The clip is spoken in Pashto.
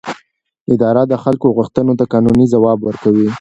اداره د خلکو غوښتنو ته قانوني ځواب ورکوي.